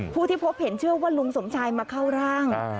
ผู้ที่พบเห็นเชื่อว่าลุงสมชายมาเข้าร่าง